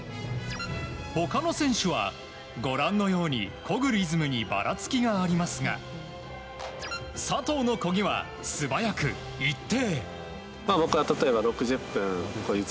他の選手はご覧のようにこぐリズムにばらつきがありますが佐藤のこぎは素早く、一定。